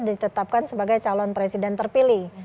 ditetapkan sebagai calon presiden terpilih